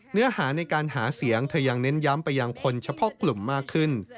เนื้อหาในการหาเสียงเธอยังเน้นย้ำไปยังคนเฉพาะกลุ่มมากขึ้น